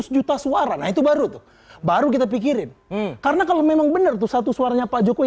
seratus juta suara nah itu baru tuh baru baru kita pikirin karena kalau memang benar tuh satu suaranya pak jokowi